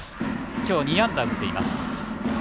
今日、２安打、打っています。